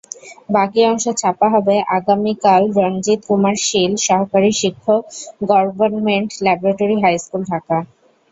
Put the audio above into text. বাকি অংশ ছাপা হবে আগামীকালরণজিত্ কুমার শীল, সহকারী শিক্ষকগবর্নমেন্ট ল্যাবরেটরি হাইস্কুল, ঢাকা।